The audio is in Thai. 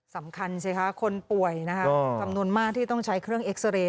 สำคัญสิคะคนป่วยนะคะจำนวนมากที่ต้องใช้เครื่องเอ็กซาเรย์